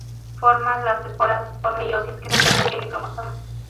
Forma las esporas por meiosis, quedando con n cromosomas.